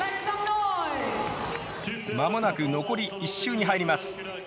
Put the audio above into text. まもなく、残り１周に入ります。